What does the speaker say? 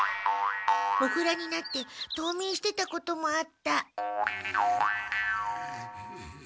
モグラになって冬眠してたこともあった。